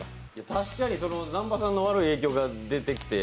確かに南波さんの悪い影響が出てきて、